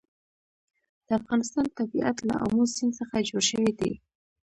د افغانستان طبیعت له آمو سیند څخه جوړ شوی دی.